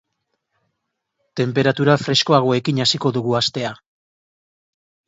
Tenperatura freskoagoekin hasiko dugu astea.